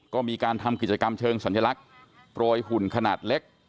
ก็มีการทำกิจกรรมเชิงสัญลักษณ์โปรยหุ่นขนาดเล็ก